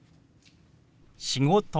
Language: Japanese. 「仕事」。